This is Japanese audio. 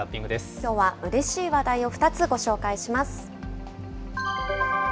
きょうはうれしい話題を２つご紹介します。